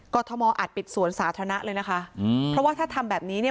ทมอาจปิดสวนสาธารณะเลยนะคะอืมเพราะว่าถ้าทำแบบนี้เนี่ย